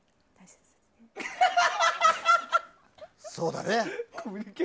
そうだね。